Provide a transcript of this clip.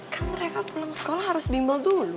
kan mereka pulang sekolah harus bimbel dulu